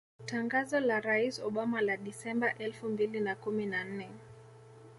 Tangazo la Rais Obama la Disemba elfu mbili na kumi na nne